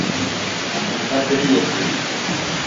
Mitt batteri är slut.